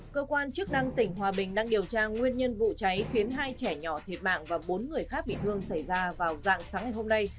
cơ quan chức năng tỉnh hòa bình đang điều tra nguyên nhân vụ cháy khiến hai trẻ nhỏ thiệt mạng và bốn người khác bị thương xảy ra vào dạng sáng ngày hôm nay